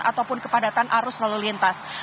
ataupun kepadatan arus lalu lintas